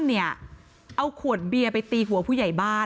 เอาขวดเบียร์ไปตีหัวผู้ใหญ่บ้าน